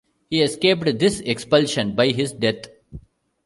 He escaped this expulsion by his death.